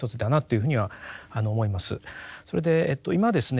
それで今ですね